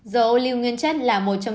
dầu ô lưu nguyên chất là một trong